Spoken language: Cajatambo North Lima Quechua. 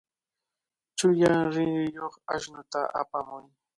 Chulla rinriyuq ashnuta apamuy.